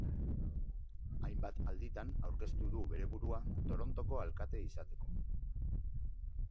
Hainbat alditan aurkeztu du bere burua Torontoko alkate izateko.